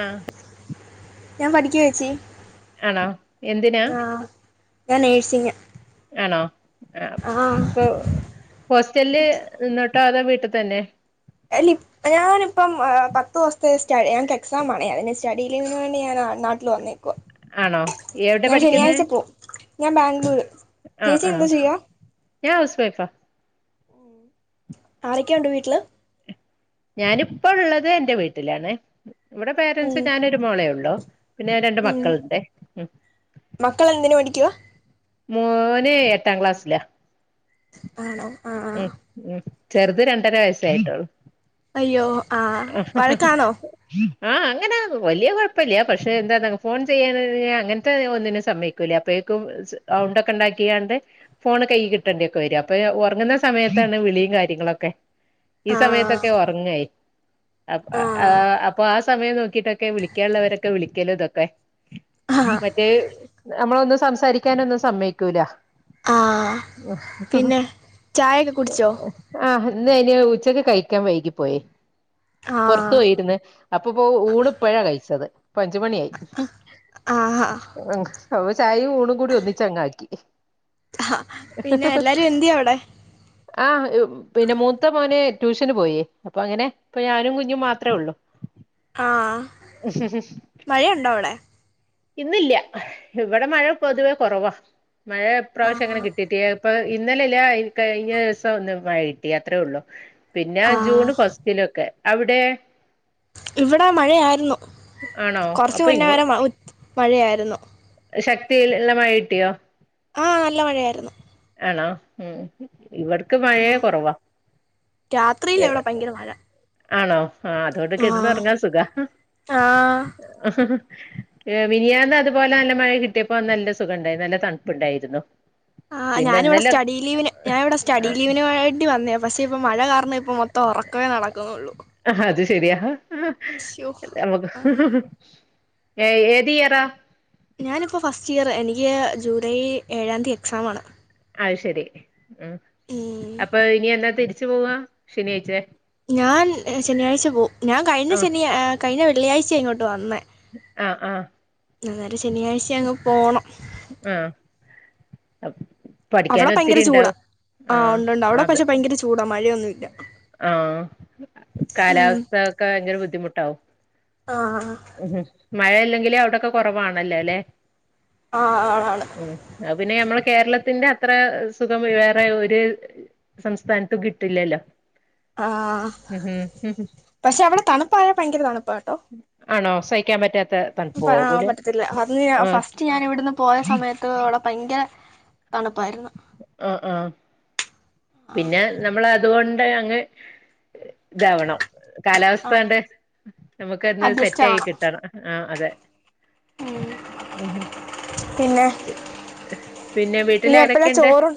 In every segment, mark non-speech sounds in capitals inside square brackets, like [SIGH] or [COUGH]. ആഹ ഞാൻ പഠിക്കാ ചേച്ചി ആണോ എന്തിനാ ആഹ് ഞാൻ നേഴ്സിംഗ് ആണോ ആഹ് ഇപ്പൊ ഹോസ്റ്റലിൽ നിന്ന് നിന്നിട്ടാണോ അതോ വീട്ടിൽ തന്നെ അല്ല ഇപ്പം ഞാൻ പത്ത് ദിവസത്തെ എക്സാംമാണേ അതിന്റെ സ്റ്റഡിലീവ്ന് വേണ്ടി ഞാനാ നാട്ടിൽ വന്നേക്കുവ ആണോ എവിടെ ഞാൻ പഠിക്കുന്നേ ശനിയാഴ്ച പോവും ഞാൻ ബാംഗ്ലൂര് ആഹ് ചേച്ചി ആഹ് എന്ത് ചെയ്യാ ഞാൻ ഹൗസ് വൈഫാ ആരൊക്കെ ഉണ്ട് വീട്ടില് ഞാനിപ്പോ ഉള്ളത് എന്റെ വീട്ടിലാണ് ഇവിടെ പേരൻറ്സ് ഉം ഞാനൊ ഒരു മോളേ ഉള്ളു പിന്നെ രണ്ട് ഉം മക്കളുണ്ട് മക്കൾ എന്തിന് പഠിക്കുവാ മോന് എട്ടാം ക്ലാസ്സിലാ. ആണോ ആഹ് ആഹ് ഉം ഉം ചെറുത് രണ്ടര വയസായിട്ടോള്ളൂ. അയ്യോ ആഹ് വഴക്കാണോ? ആഹ് അങ്ങനെ വല്യ കൊഴപ്പല്യ. പക്ഷെ എന്താന്നാ ഫോൺ ചെയ്യന് [UNINTELLIGIBLE] അങ്ങൻത്തെ ഒന്നിനും സമ്മയ്ക്കൂല്ല അപ്പെ ക്കും സ് ഔണ്ടൊക്കെണ്ടാക്കിയാണ്ട് ഫോൺ കൈ കിട്ടേണ്ടിക്കെ വരു. അപ്പൊയേ ഒർങ്ങുന്ന സമയത്താണ് വിളിയും കാര്യങ്ങളൊക്കെ. ഈ ആഹ് സമയത്തൊക്കെ ഒറങ്ങായി. അപ് അഹ് ആഹ് അപ്പൊ ആ സമയം നോക്കിട്ടൊക്കെ വിളിക്കാൻള്ളവരൊക്കെ വിളിക്കലോതൊക്കെ. ആഹ് മറ്റേ നമ്മളൊന്നും സംസാരിക്കാനൊന്നും സമ്മയ്ക്കൂല. ഒഹ്. ചായക്കെ കുടിച്ചോ? ആഹ് ഇന്ന് അയ്ന് ഉച്ചക്ക് കഴിക്കാൻ വൈകി പോയി. പൊർത്തു ആഹ് പോയിര്ന്ന് അപ്പപ്പോ ഊണിപ്പഴാ കഴിച്ചത്. പ അഞ്ചുമണിയായി ആഹാ അപ്പ ചായയും ഊണും കൂടി ഒന്നിച്ചങ്ങാക്കി. ഹാ പിന്നെ എല്ലാരും എന്ത്യേ അവിടെ. ആഹ് പിന്നെ മൂത്ത മോന് ട്യൂഷന് പോയേ അപ്പൊ അങ്ങനെ ഇപ്പ ഞാനും കുഞ്ഞും മാത്ര ഉള്ളൂ. ആ മഴയുണ്ടോ അവിടെ? ഇന്നില്ല്യ ഇവിടെ മഴ പൊതുവേ കൊറവാ. മഴ ആ ഇപ്രാവശ്യം അങ്ങനെ കിട്ടീട്ടേ ഇപ്പൊ ഇന്നലെ ഇല്ല കഴിഞ്ഞ ദിസം ഒന്ന് മഴ കിട്ടി അത്രെ ഒള്ളു. പിന്നെ ആ ജൂണ് ഫസ്റ്റിലൊക്കെ അവിടേ ഇവിടെ മഴയായിരുന്നു. ആണോ കൊർച്ച് അപ്പൊ മുന്നവരെ ഉച്ച മഴയായിരുന്നു. ശക്തിഇല്ഇള്ള മഴകിട്ടിയോ? ആഹ് നല്ല മഴയായിരുന്നു. ആണോ ഉം. ഇവിട്ക്ക് മഴേ ആ കൊറവാ രാത്രിയില എ ഇവിടെ ഭയങ്കര മഴ ആണോ ആഹ് അതുകൊണ്ട് ആ കെട്ന്നൊർങ്ങാൻ സുഖ ആ ഏ മിനിഞാന്ന് അതുപോലെ നല്ല മഴ കിട്ടിയപ്പോ നല്ല സുഖണ്ടായി. നല്ല തണുപ്പുണ്ടായിരുന്നു. ആഹ് പിന്നെ ഞാനിവിടെ ഇന്നലെ സ്റ്റഡി ലീവിന് ഞാന് ഇവിടെ സ്റ്റഡി ലീവിന് വേണ്ടി വന്നെയ പശെപ്പൊ മഴ കാരണം ഇപ്പ മൊ ഒറക്കവെ നടക്കുന്നുള്ളൂ. ആഹാ അത് ശെരിയാ ശ്യോ നമ്മുക്ക് ഏ ഏതിയറാ? ഞാനിപ്പോ ഫസ്റ്റ് ഇയർ എനിക്ക് ജൂലൈ ഏഴാംതി എക്സാമാണ്. അഹ്ശരി ഉം ഉം അപ്പൊ ഇനി എന്നാ തിരിച്ചു പോവാ ശനിയാഴ്ച്ചേ? ഞാൻ ശനിയാഴ്ച പോവും. ഞാൻ ആ കഴിഞ്ഞ ശനി കഴിഞ്ഞ വെള്ളിയഴ്ച്ചേ ഇങ്ങോട്ട് വന്നേ. ആഹ് ആഹ്. അന്നേരം ശനിയാഴ്ച അങ്ങ് പോണം. ആഹ് പഠിക്കാന് ഒത്തിരി ഇണ്ടാവും. ആഹ് ഒണ്ട് ഒണ്ട് അയുടെ പക്ഷെ പയങ്കെര ചൂടാ മഴയൊന്നും ഇല്ല. ആഹ് കാലാവസ്ഥ ഒക്കെ ഭയങ്കെര ബുദ്ധിമുട്ടാവും. ആഹ്. ഉം മഴ അല്ലെങ്കിലെ അയുടൊക്കെ കൊറവാണല്ലോലെ ആ ആണ് ഉം അയ് പിന്നെ ഞമ്മെള് കേരളത്തിന്റെ അത്ര സുഖം വേറെ ഒരു സംസ്ഥാന്‌ത്തും കിട്ട്ല്ലല്ലോ? ആഹ് പക്ഷെ അവ്ടെ തണ്പ്പായാ ഭയങ്കെര തണ്പ്പാണ്. ആണോ സഹിക്കാൻ പറ്റാ ആഹ് പറ്റത്തില്ല. അന്ന് ഞാം ആഹ് ഫസ്റ്റ് ഞാൻ ഇവ്ട്ന്ന് പോയ സമയെത്ത് അവ്ടെ ഭയങ്കെര തണുപ്പായിരുന്നു. ആഹ് ആഹ് പിന്നെ നമ്മെൾ അ തുകൊണ്ട് അങ്ങ് ഇതാവെണം. കാലാവസ്ഥ ആ ഇങ്ങെട്ട് നമുക്ക് ഒന്ന് അഡ്ജസ്റ്റ് സെറ്റ് ആയി ആവണം കിട്ടെണം. ആ അതെ. ഉം ആഹ്. പിന്നെ വീട്ടിൽ ഇനി എപ്പഴാ ആരൊക്കെയുണ്ട് ചോറും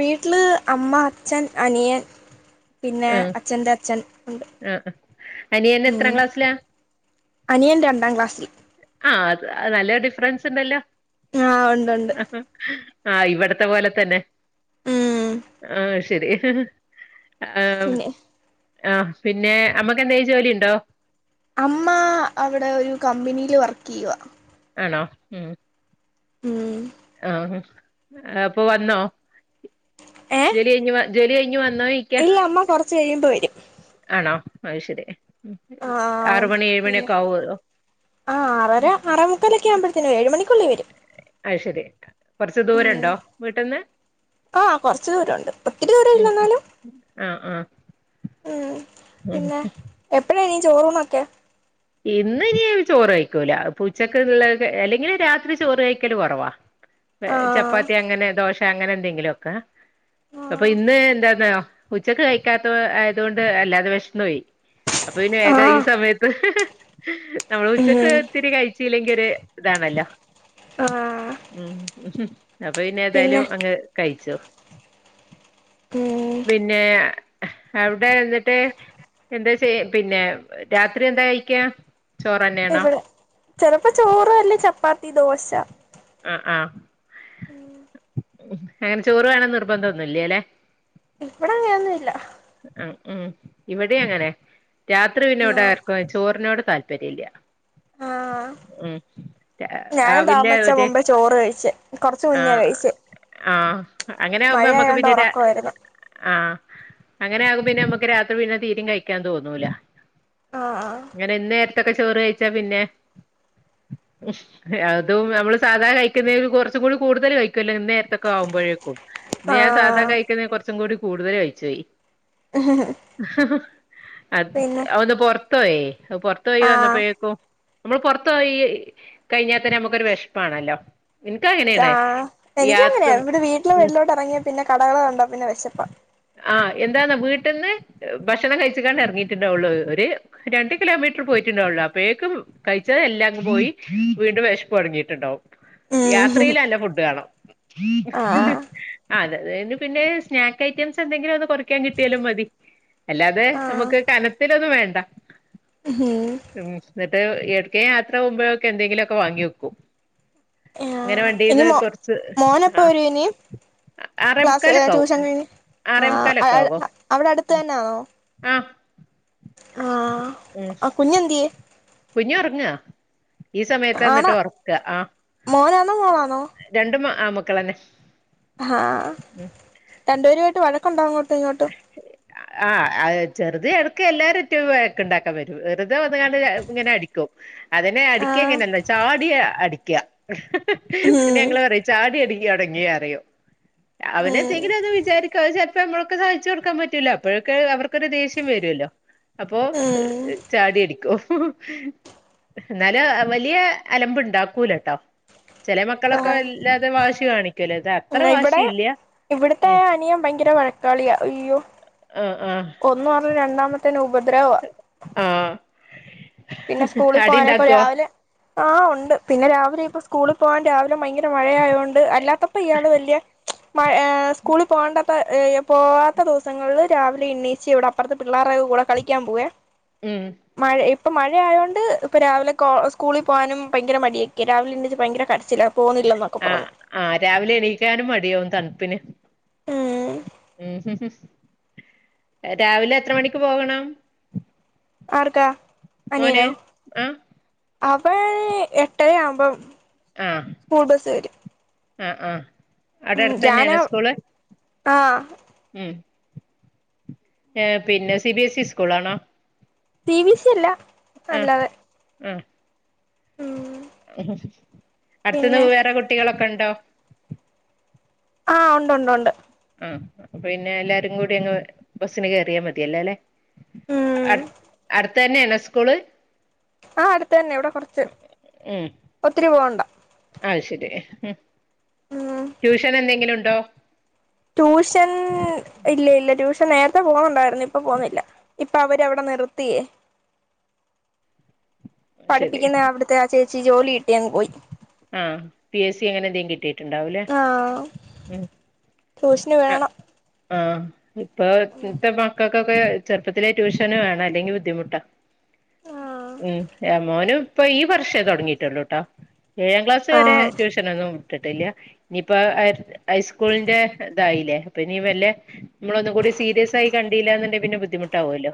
വീട്ടില് അമ്മ അച്ഛൻ അനിയൻ പിന്നെ ആഹ് അച്ഛന്റെ അച്ഛൻ ഉണ്ട്. ആഹ് അനിയൻ ഉം എത്രാം ക്ലാസ്സിലാ അനിയൻ രണ്ടാം ക്ലാസ്. ആഹ് നല്ല ഡിഫറൻസ് ണ്ടല്ലോ. ആ ഉണ്ട് ഉണ്ട് ആഹ് ഇവിടത്തെ പോലെ തന്നെ. ഉം ആഹ് ശെരി. ആ പിന്നെ ആ പിന്നെ അമ്മക്ക് എന്തേ ജോലി ഉണ്ടോ? അമ്മ അവിടെ ഒരു കമ്പിനിയില് വർക്ക് ചെയ്യുവാ. ആണോ മ്മ് മ്മ് ആഹ് ഹ അപ്പൊ വന്നോ ഏ ജോലി കയിഞ്ഞ് ജോലി കയിഞ്ഞ് വന്നോ ചോദിക്ക ഇല്ല അമ്മ കൊറച്ച് കഴിയുമ്പോ വരും ആണോ അത് ശരി ആറ് മണി ഏഴ് മണിയൊക്കെ ആവുവോ ആഹ്മ്മ് ആറര ആറേ മുക്കാലൊക്കെ ആകുമ്പഴത്തേക്ക് വരും ഏഴ് മണിക്കുള്ളിൽ വരും അയ് ശരി കൊറച്ച് ദൂരം ഉം ഉണ്ടോ വീട്ട്ന്ന് ആഹ് കൊറച്ചു ദൂരം ഉണ്ട് ഒത്തിരി ദൂരം ഇല്ല എന്നാലും ആഹ് ആഹ് മ്മ് ഉം പിന്നെ എപ്പഴാ ഇനി ചോറൂണൊക്കെ ഇന്ന് ഇനി ചോറ് കഴിക്കൂല ഇപ്പ ഉച്ചക്ക്ള്ള അല്ലെങ്കിൽ രാത്രി ചോറ് കഴിക്കല് കുറവാ ആഹ് ചപ്പാത്തി അങ്ങനെ ദോശ അങ്ങനെ എന്തെങ്കിലുമൊക്കെ അപ്പൊ ഇന്ന് എന്താന്നു ഉച്ചക്ക് കഴിക്കാത്ത ആയതുകൊണ്ട് വല്ലാതെ വിശന്ന് പോയി അപ്പൊ പിന്നെ വേഗം ഈ ആഹ് സമയത്ത് നമ്മൾ ഉച്ചക്ക് ഉം ഇത്തിരി കഴിച്ചല്ലെങ്കിൽ ഇതൊരു ഇതാണല്ലോ ആഹ് മ്മ് അപ്പൊ പിന്നെ ഏതായാലും അങ്ങ് കഴിച്ചു ഉം പിന്നെ അവിടെ എന്നിട്ട് എന്താ ചെയ്യാ പിന്നെ രാത്രി എന്താ കഴിക്കാ ചോറന്നെയാണോ ഇവിടെ ചിലപ്പോ ചോറ് അല്ലേ ചപ്പാത്തി ദോശ ആഹ് ആഹ് മ്മ് അങ്ങനെ ചോറ് വേണന്ന് നിർബന്ധമൊന്നുംല്ലല്ലെ ഇവിടെ അങ്ങനൊന്നുല്ല ആഹ് ആഹ് ഇവിടെം അങ്ങനെ രാത്രി പിന്നെ ഈടെ ആഹ് ആർക്കും ചോറിനോട് താല്പര്യം ഇല്ല ആഹ് മ്മ് ഞാനും ആവില്ല താമസിച്ചാ ഒരു മുമ്പേ ചോറ് കഴിച്ചേ കൊറച്ച് മുന്നേ ആഹ് കഴിച്ചേ ആഹ് അങ്ങനെ ആകുമ്പോ നമ്മുക്ക് മഴയായോണ്ട് പിന്നെ ഒറക്കവായിരുന്നു ആഹ് അങ്ങനെ ആകും പിന്നെ നമ്മുക്ക് രാത്രി പിന്നെ തീരെയും കഴിക്കാൻ തോന്നൂല ആഹ് ആഹ് ത്തൊക്കെ ചോറ് കഴിച്ചാ പിന്നെ അതും നമ്മള് സാധാ കഴിക്കുന്നതിൽ കുറച്ചും കൂടി കൂടുതൽ കഴിക്കും ഇന്ന് നേരത്തൊക്കെ ആകുമ്പോഴേക്കും ഇന്ന് ഞാൻ സാധാ ആഹ് കഴിക്കുന്ന കുറച്ചും കൂടി കൂടുതൽ കഴിച്ച് പോയി ആഹ് അ പിന്നെ ഒന്ന് പൊറത്ത് പോയേ പുറത്തു പോയി ആഹ് വന്നപ്പോഴെക്കും നമ്മൾ പുറത്ത് പോയി കഴിഞ്ഞാത്തന്നെ നമുക്കൊരു വിശപ്പാണല്ലോ എനിക്ക് അങ്ങനെയാണ് എനിക്ക് അങ്ങനെയാണ് ഇവിടെ വീട്ടില് വെളിലോട്ട് ഇറങ്ങിയ പിന്നെ കടകൾ കണ്ടാ പിന്നെ വിശപ്പാ ആഹ് എന്താന്നാ വീട്ടില്ന്ന് ഭക്ഷണം കഴിച്ച് കണ്ട് ഇറങ്ങിട്ടുണ്ടാവുള്ളൂ ഒരു രണ്ട് കിലോമീറ്റർ പോയിട്ട് ണ്ടാകുള്ളു അപ്പേക്കും കഴിച്ച എല്ലാം അങ്ങു പോയി വീണ്ടും വിശപ്പ് തുടങ്ങിട്ടുണ്ടാവും ഉം യാത്രയില് നല്ല ഫുഡ് വേണം ആഹ് അതെ അത് കഴിഞ്ഞ് പിന്നെ സ്നാക്ക് ഐറ്റംസ് എന്തെലും ഒന്ന് കൊറിക്കാൻ ക്കാൻ കിട്ടിയാലും മതി അല്ലാതെ ആഹ് നമുക്ക് കനത്തിലൊന്നും വേണ്ട ഉം മ്മ് എന്നിട്ട് ഇടക്ക് യാത്ര പോകുമ്പോഴൊക്കെ എന്തെങ്കിലുമൊക്കെ വാങ്ങി വെക്കും ഇങ്ങനെ ആഹ് ഇനി വണ്ടീന്ന് മോ കൊറിച്ച് മോനെപ്പ ആഹ് വരും ഇനി ആറേ മുക്കാലൊക്കെ ആവും ആ ആറേ മുക്കാലൊക്കെ അത് ആവോ അവിടെ അടുത്ത് തന്നാണോ ആഹ് ആഹ് ഉം ആ കുഞ്ഞ് എന്തിയേ കുഞ്ഞ് ഉറങ്ങാ ഈ സമയത്ത ന്നിട്ട് ആണാ ഒറക്ക ആഹ് മോനാണോ മോളാണോ രണ്ടും ആൺ മക്കളെന്നെ ആഹ് രണ്ടുപേരുമായിട്ട് വഴക്കുണ്ടോ അങ്ങോട്ടും ഇങ്ങോട്ടും ആഹ് ചെറുത് എടക്ക് എല്ലാരും ആയിട്ടും വഴക്ക് ഇണ്ടാക്കാൻ വരും വലുത് വന്ന് ഇങ്ങനെ അടിക്കും ടിക്കും അതിനെ അടിക്ക ആഹ് എങ്ങനെന്താ ചാടിയ അടിക്ക ഉം പിന്നെ ഞങ്ങള് പറയും ചാടി അടിക്ക അടങ്ങിയ അറിയും ഉം അവനെന്തെങ്കിലൊന്നു വിചാരിക്കും അത് ചെലപ്പം നമ്മള് സാധിച്ചു കൊടുക്കൻ പറ്റൂല്ല അപ്പഴൊക്കെ അവർക്ക് അപ്പൊരു ദേഷ്യം വരുല്ലോ അപ്പോ ഉം ചാടി അടിക്കും എന്നാല വലിയ അലമ്പ് ഇണ്ടാക്കൂലട്ടോ ചെല മക്കളൊക്കെ വല്ലാതെ വാശി കാണിക്കൊല്ലോ ഇത് അത്ര വാശി ഇവിടെ ഇല്ല ഇവിടുത്തെ അനിയൻ ഭയങ്കര വഴക്കാളിയാ അയ്യോ ആഹ് ആഹ് ഒന്നും അറിഞ്ഞ രണ്ടാമത്തേന് ഉപദ്രവ ആ പിന്നെ സ്കൂളിൽ പോകാനേപ്പോ രാവിലെ ആ ഒണ്ട് പിന്നെ രാവിലെ ഇപ്പ സ്കൂളിൽ പോകാൻ രാവിലെ ഭയങ്കര മഴയായോണ്ട് അല്ലാത്തപ്പോ ഇയാള് വല്യ മ ഏ സ്കൂളിൽ പോകണ്ടത്ത ഏ പോവാത്ത ദിവസങ്ങളില് രാവിലെ എണ്ണീച്ച് ഇവടെ അപ്പുറത്തെ പിള്ളേർ കൂടെ കളിക്കാൻ പോവെ ഉം മഴ ഇ ഇപ്പം മഴയായോണ്ട് ഇപ്പ രാവിലെ കോ സ്കൂളിൽ പോകാനും ഭയങ്കര മടിയൊക്കെ രാവിലെ എണീച്ചു ഭയങ്കര കരച്ചില ആ ആ രാവിലെ എണീക്കാനും മടിയാവും തണുപ്പിന് ഉം ഉം രാവിലെ എത്ര മണിക്ക് പോകണം ആർക്ക മോന് ആ അവൾ എട്ടരയാവുമ്പോം സ്കൂൾ ബസ് വരും ആ ആ അവിടെ അടുത്ത് തന്നെയാണ് സ്കൂള് ആ ഉം ഏ പിന്നെ സി ബി എസ് ഇ സ്കൂളാണോ ടി വി സി അല്ല അല്ലാതെ ആ ഉം അടുത്തുന്ന് പിന്നെ വേറെ കുട്ടികളൊക്കെണ്ടോ ആ ഒണ്ട്ണ്ട്ണ്ട് ആ അപ്പൊ പിന്നെ എല്ലാരും കൂടി അങ് ബസ്സിന് കയറിയാ മതിയല്ലൊ അല്ലെ ഉം അ അടുത്തന്നെയണോ സ്കൂള് ആ അടുത്ത് തന്നെ ഇവിടെ കൊറച്ച് ഒത്തിരി പോവണ്ട ആ ശരി ഉം ഉം ട്യൂഷൻ എന്തെങ്കിലും ഉണ്ടോ ട്യൂഷൻ ഇല്ലല്ല ട്യൂഷ നേരത്തെ പോവുന്നുണ്ടായിരുന്നു ഇപ്പൊ പോുന്നില്ല ഇപ്പൊ അവര് അവിടെ നിർത്തിയേ ശരി പഠിപ്പിക്കുന്ന അവിടുത്തെ ആ ചേച്ചി ജോലി കിട്ടിയങ് പോയി ആഹ് പി എസ് സി അങ്ങനെ എന്തെ കിട്ടീട്ടുണ്ടാവൂലേ ആഹ് ഉം ട്യൂഷന് വേണം ആ ഇപ്പൊത്തെ മക്കക്ക് ക്കൊക്കെ ചെറുപ്പത്തിലെ ട്യൂഷന വേണം അല്ലെങ്കിൽ ബുദ്ധിമുട്ടാ ആഹ് ഉം ഏ മോനും ഇപ്പൊ ഈ വർഷേ തൊടങ്ങീട്ടൊള്ളൂട്ടോ ഏഴാം ക്ലാസ് വരെ ആഹ് ട്യൂഷനൊന്നും വിട്ടിട്ടില്ല ഇനിയിപ്പോ ഹൈസ്കൂളിന്റെ ഇതായിലെ അപ്പൊ ഇനി വല്യ നമ്മളൊന്നുകൂടി സീരിയസ് ആയി കണ്ടിയില്ല എന്നുണ്ട പിന്നെ ബുദ്ധിമുട്ടാവോല്ലോ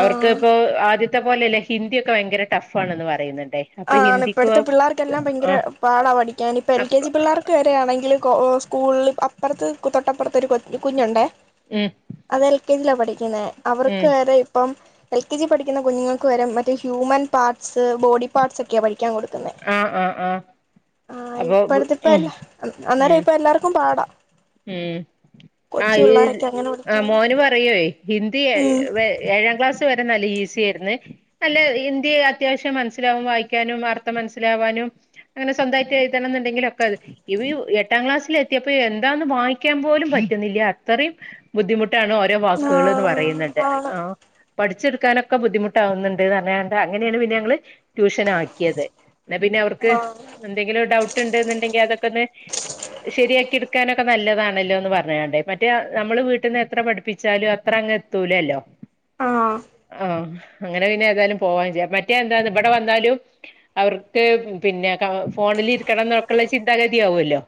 അവർക്ക് ഇപ്പോ ആദ്യത്തെ പോലെല്ല ഹിന്ദി ഒക്കെ ഭയങ്കര ടഫ് ആണെന്ന് പറയുന്നുണ്ട് ആ ഇപ്പഴത്തെ പിള്ളേർക്കെല്ലാം ഭയങ്കര ആഹ് പാടാ പഠിക്കാൻ ഇപ്പ എൽ കെ അപ്പ ജി പിള്ളേർക്ക് വരെ ആണെങ്കിൽ കോ സ്കൂളിൽ അപ്പുറത്ത് തൊട്ടപ്പുറത്തൊരു കുഞ്ഞുണ്ടേ ഉം അത് എൽ കെ ജിയിലാണ് പഠിക്കുന്നത് അവർക്ക് ഉം വേറെ ഇപ്പം എൽ കെ ജി പഠിക്കുന്ന കുഞ്ഞുങ്ങൾക്ക് വരെ മറ്റേ ഹ്യൂമൻ പാർട്സ് ബോഡി പാട്സ് ഒക്ക പിക്കാ കൊടുും ആഹ് ആഹ് ആഹ് ആ അപ്പൊ ഇപ്പടുത്തിപ്പ ഉം എല്ലാ അന്നേരം ഉം ഇപ്പ എല്ലാവർക്കും പാടാം ഉം ആ ഈ പിള്ളോരൊക്കെ അങ്ങനെ ആ പഠിക്കാന് മോന് പറയുവേ ഹിന്ദി ഉം ഏഴാം ക്ലാസ് നല്ല ഈ ആല്ല ഇയ അത്യാവശ്യംനില വായിക്കാനും അത്ംനസിലാനും അങ്ങനെ സ്വന്തായിട്ട് എഴുതണം ന്നുണ്ടെങ്കില ഒക്കെ അത് ഇ എട്ടാം ക്ലാസ്സിൽ എത്തിയപ്പോ താന്ന് വായിക്കാൻ പോലും പറ്റുന്നില്ല അത്രയും ബുദ്ധിമുട്ട് ട്ടാണ് ഓരോ ആ വാക്കുകള്ന്ന് പറയ്ന്ന്ണ്ട് ആണ് ആ പഠിച്ച ക്കാനൊക്കെ ബുദ്ധിമുട്ടാവുന്നുണ്ട് പറഞ്ഞ്ങ്ങാണ്ട് അങ്ങനെയാണ് പിന്നെ ഞങ്ങള് ട്യൂഷൻ ആക്കിയത് എന്ന പിന്നെ അവർക്ക് ആ എന്തെങ്കിലും ഡൗട്ട് ഉണ്ട എന്നുണ്ടെങ്കിൽ അതൊക്കെന്ന് ശരിയാക്കിട് നൊക്കെ നല്ലതാണല്ലോന്ന് പറഞ്ഞ്ങ്ങാണ്ട് മറ്റേ നമ്മള് വീട്ടിൽ നിന്ന് എത്ര പഠിപ്പിച്ചാലും അത്ര അങ്ങ് എത്തൂലല്ലോ ആ ആ അങ്ങനെ പിന്നെ ഏതായാലും പോകൻ മറ്റേ എന്താ ഇവിടെ വന്നാലും അവർക്ക് പിന്നെ ഫോണിലിരിക്കണം ന്നൊക്കെള്ള ചിന്താഗതിയാവല്ലോ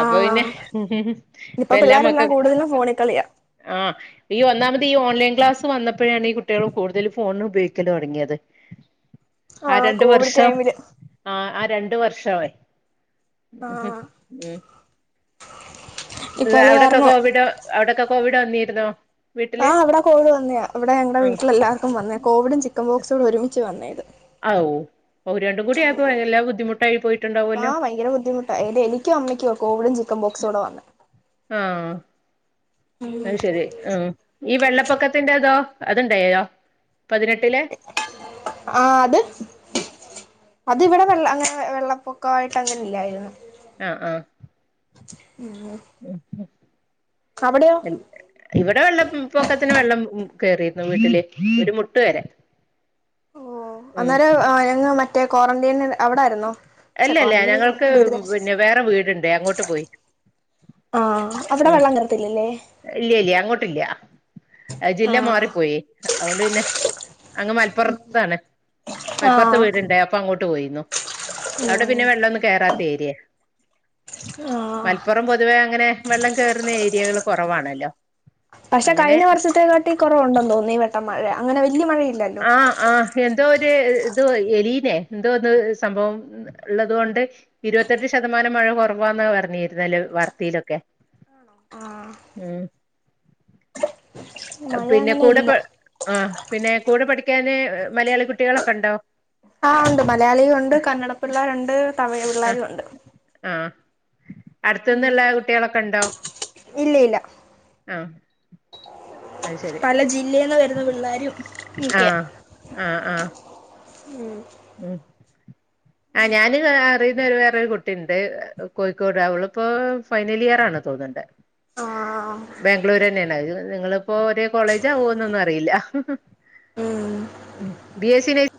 ആ പിന്നെ ഇപ്പ ഇപ്പൊ പിള്ളേരെല്ലാം എല്ലാമക്കൾക്കു കൂടുതലും ഫോണിൽ കളിയാ ആ ഈ ഒന്നാമത്തെ ഈ ഓൺലൈൻ ക്ലാസ്സ് വന്നപ്പോഴാണ് ഈ കുട്ടികൾ കൂടുതൽ ഫോണ് ഉപയോഗിക്കല് തുടങ്ങിയത് ആ രണ്ട് കോവിഡ് വർഷം ടൈമില് ആ ആ രണ്ട് വർഷേ ആ ഉം ഉം ഇപ്പത് അവിടൊക്കെ കാരണം കോവിഡ് അവിടൊക്കെ കോവിഡ് വന്നിരുന്നോ ആ വീട്ടില് ഇവിടെ കോവിഡ് വന്നെയാ ഇവിടെ ഞങ്ങടെ ആഹ് വീട്ടിലെല്ലാവർക്കും വന്നയാ കോവിഡും ചിക്കൻ ബോക്സൂടെ ഒരുമിച്ച് വന്നത് ഔ ഓ രണ്ടും കൂടി ആയപ്പോ എല്ലാം ബുദ്ധിമുട്ടായി പോയിട്ടുണ്ടാവല്ലോ ആ ഭയങ്കര ബുദ്ധിമുട്ടാ ഇത് എനിക്കും അമ്മയ്ക്കുവാ കോവിഡും ചിക്കൻ ബോക്സൂടെ വന്നു ആ അയ്ശരി ആ ഈ വെള്ളപ്പൊക്കത്തിന്റെതോ അത്ണ്ടായോ ആ അത് അത് ഇവിടെ വെള്ള അങ്ങനെ വെള്ളപ്പൊക്കായിട്ട് അങ്ങനെ ഇല്ലായിരുന്നു ആഹ് ആഹ് അവിടെയോ ഇവിടെ വെള്ള പൊക്കത്തിന് വെള്ളം കേറിയിരുന്നു വീട്ടില് ഒരു മുട്ട് വരെ ഓ ഉം അന്നേരം ഞങ്ങള് മറ്റേ ക്വാറന്റൈനിൻ അവിടായിരുന്നു അല്ലല്ല ഞങ്ങൾക്ക് പിന്നെ വേറെ വീടുണ്ട് അങ്ങോട്ട് പോയി ആ അവിടെ ഉം വെള്ളം കേറത്തില്ലല്ലേ ഇല്ല ഇല്ല അങ്ങോട്ടില്ല ആ ജില്ല മാറിപ്പോയി അതൊണ്ട് പിന്നെ അങ്ങ് മലപ്പുറത്താണ് ആ മലപ്പോർത്ത് വീടുണ്ടായി അപ്പ അങ്ങോട്ട് പോയിന്നു അവിടെ ഉം പിന്നെ വെള്ളൊന്നും കേറാത്ത ഏരിയാ ആ മലപ്പുറം പൊതുവേ അങ്ങനെ വെള്ളം കയറുന്ന ഏരിയകൾ കുറവാണല്ലോ പക്ഷെ അങ്ങനെ കഴിഞ്ഞ വർഷത്തെേക്കാട്ടി കുറവുണ്ടെന്ന് തോന്നുന്നു ഈ വട്ടം മഴ അങ്ങനെ വലിയ മഴയില്ലല്ലോ ആ ആ എന്തോ ഇ എലീനെ എന്തോന്ന് സംഭവം ഉള്ളത്കൊണ്ട് ഇരുപത്തിട്ട് ശതമാനം മഴ കുറവാന്ന പറഞ്ഞിരുന്നല്ലേ വർത്തയിലൊക്കെ ആ പിന്നെ കൂടെ ആ പിന്നെ കൂടെ പഠിക്കാന് മലയാളി കുട്ടികളൊക്കെ ഉണ്ടോ? ആ ഉണ്ട് മലയാളിയും ഉണ്ട് കന്നട പിള്ളേരുണ്ട് തമിഴ് ആ പിള്ളേരും ഉണ്ട് ഉം അടുത്ത്ന്ന്ള്ള കുട്ടികളൊക്കെ ഉണ്ടോ ഇല്ല ഇല്ല ആ അത് ശരി പല ജില്ലയിന്ന് വരുന്ന പിള്ളോരും ആ ഒക്കയാ ആ ആ ഉം ഉം ആ ഞൻ അറിയുന്നരു വേറോരു കുട്ടിണ്ട് കോഴിക്കോട് അവളിപ്പോ ഫൈനൽ ഇയറാണ് തോന്ന്ണ്ട് ആ ബാംഗ്ലൂര് തന്നെയാണ് നിങ്ങളിപ്പോ ഒരേ കോളേജാവോന്നൊന്നും അറിയില്ല ഉം ബി എസ് സി നഴ്സി